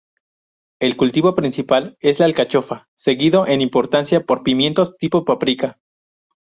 El cultivo principal es la alcachofa, seguido en importancia por pimientos tipo paprika.